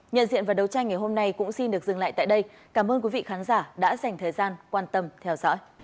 nhận diện và đấu tranh ngày hôm nay cũng xin được dừng lại tại đây cảm ơn quý vị khán giả đã dành thời gian quan tâm theo dõi